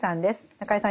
中江さん